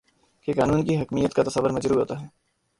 کہ قانون کی حاکمیت کا تصور مجروح ہوتا ہے